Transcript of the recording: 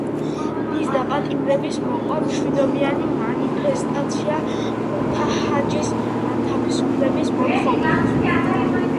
მის დაპატიმრებას მოყვა მშვიდობიანი მანიფესტაცია კუნტა–ჰაჯის განთავისუფლების მოთხოვნით.